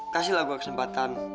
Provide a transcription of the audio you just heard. kasihlah gua kesempatan